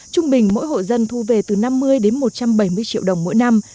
trung bình mỗi hộ dân thu về từ năm mươi đến một trăm bảy mươi triệu đồng mỗi năm